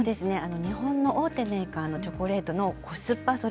日本の大手メーカーのチョコレートのコスパ